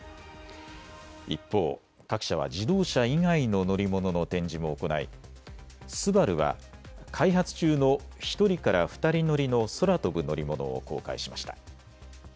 一方、各社は自動車以外の乗り物の展示も行いＳＵＢＡＲＵは開発中の１人から２人乗りの空飛ぶ乗り物を公開しました。